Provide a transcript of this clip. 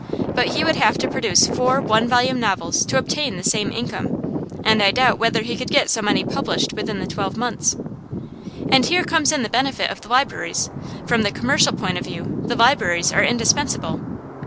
But he would have to produce four one volume novels to obtain the same income; and I doubt whether he could get so many published within the twelve months. And here comes in the benefit of the libraries; from the commercial point of view the libraries are indispensable.